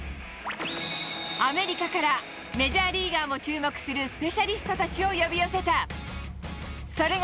アメリカから、メジャーリーガーも注目するスペシャリストたちを呼び寄せた。